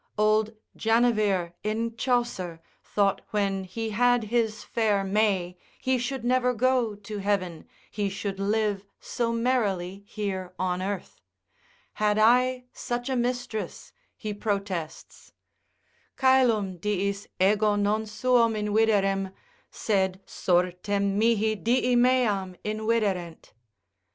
Old Janivere, in Chaucer, thought when he had his fair May he should never go to heaven, he should live so merrily here on earth; had I such a mistress, he protests, Caelum diis ego non suum inviderem, Sed sortem mihi dii meam inviderent.